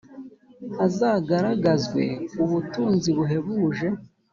hazagaragazwe ubutunzi buhebuje